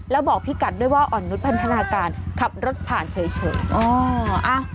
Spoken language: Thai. แล้วบอกพี่กัดด้วยว่าอ่อนนุษยพันธนาการขับรถผ่านเฉย